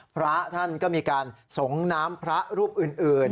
พระท่านก็มีการสงน้ำพระรูปอื่น